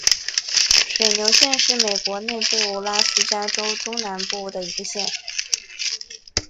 水牛县是美国内布拉斯加州中南部的一个县。